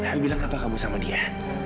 aku bilang apa kamu sama dia